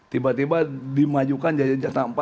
tiba tiba dimajukan jam empat